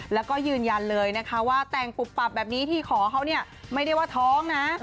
แล้วก็ยืนยันเลยนะคะว่าแต่งปุบปับแบบนี้ที่ขอเขาเนี่ยไม่ได้ว่าท้องนะ